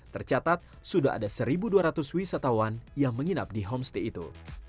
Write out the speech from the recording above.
tercatat sudah ada satu dua ratus wisatawan yang menginap di homestay itu